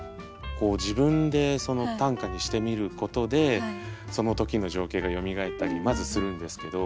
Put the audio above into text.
自分で短歌にしてみることでその時の情景がよみがえったりまずするんですけど。